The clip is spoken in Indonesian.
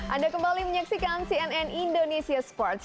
anda kembali menyaksikan cnn indonesia sports